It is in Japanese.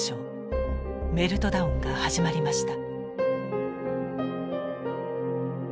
メルトダウンが始まりました。